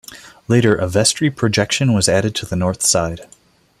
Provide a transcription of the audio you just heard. Later, a vestry projection was added to the north side.